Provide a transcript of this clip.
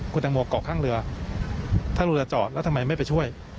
คุณตังโมเกาะข้างเรือถ้าเรือจอดแล้วทำไมไม่ไปช่วย